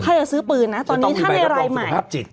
ถ้าจะซื้อปืนนะตอนนี้ถ้าในรายใหม่ต้องมีใบรับรองสุขภาพจิต